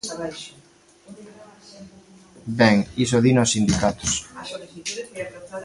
Ben, iso dino os sindicatos.